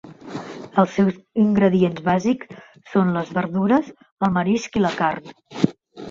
Els seus ingredients bàsics són les verdures, el marisc i la carn.